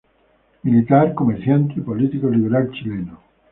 Militar, comerciante y político liberal chileno.